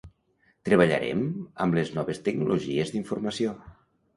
Treballarem amb les noves tecnologies d'informació.